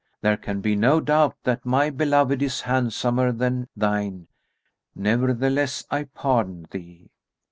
There can be no doubt that my beloved is handsomer than shine; nevertheless I pardon thee."